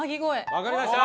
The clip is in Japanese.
わかりました！